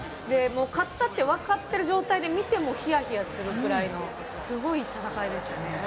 勝ったってわかってる状態で見てもヒヤヒヤするくらいのすごい戦いでしたね。